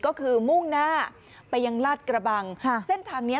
ก็คือมุ่งหน้าไปยังลาดกระบังเส้นทางเนี้ย